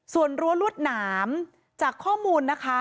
ส่วนรั้วรวดหนามจากข้อมูลนะคะ